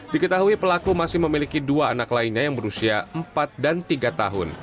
diketahui pelaku masih memiliki dua anak lainnya yang berusia empat dan tiga tahun